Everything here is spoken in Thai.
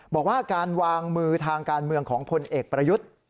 บอกว่าการวางมือทางการเมืองของพลเอกประยุทธ์